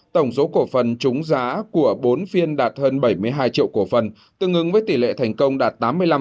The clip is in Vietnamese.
tổng số cổ phần chúng giá của bốn phiên đạt hơn bảy mươi hai triệu cổ phần tương ứng với tỷ lệ thành công đạt tám mươi năm